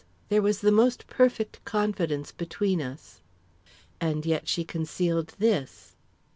There was the most perfect confidence between us." "And yet she concealed this?"